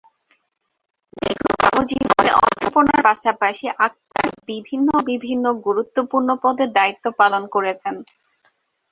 দীর্ঘ কর্মজীবনে অধ্যাপনার পাশাপাশি আখতার বিভিন্ন বিভিন্ন গুরুত্বপূর্ণ পদে দায়িত্ব পালন করেছেন।